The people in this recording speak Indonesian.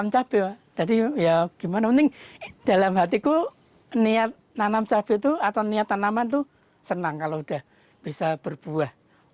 jadi ya gimana mending dalam hatiku niat tanaman itu senang kalau sudah bisa berbuah